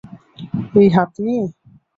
এই হাত নিয়ে!